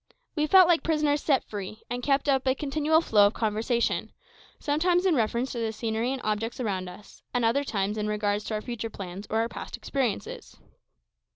We felt like prisoners set free, and kept up a continual flow of conversation, sometimes in reference to the scenery and objects around us, at other times in regard to our future plans or our past experiences.